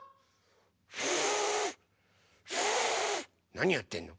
なにやってんの？